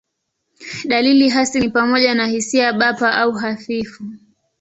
Dalili hasi ni pamoja na hisia bapa au hafifu.